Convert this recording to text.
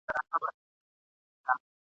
د ویر او ماتم په دې سختو شېبو کي هم ..